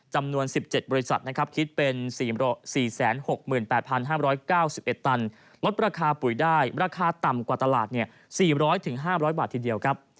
จำนวน๑๗บริษัทนะครับคิดเป็น๔๖๘๕๙๑ตันลดราคาปุ๋ยได้ราคาต่ำกว่าตลาด๔๐๐๕๐๐บาททีเดียวครับ